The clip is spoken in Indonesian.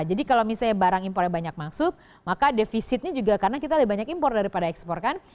jadi kalau misalnya barang impornya banyak masuk maka defisitnya juga karena kita lebih banyak impor daripada ekspor kan